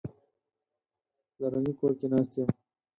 په پلرني کور کې ناست یم.